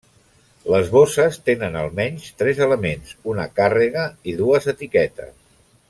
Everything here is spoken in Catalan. Les bosses tenen almenys tres elements: una càrrega i dues etiquetes.